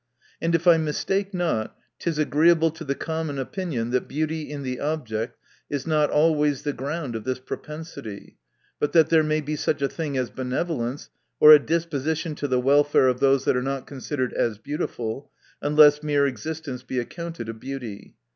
And if I mistake not, it is agreeable to the com mon opinion, that beauty in the object is not always the ground of this propen sity : but that there may be such a thing as benevolence, or a disposition to the welfare of those that are not considered as beautiful j unless mere existence be accounted a beauty.